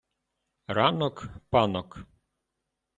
ранок – панок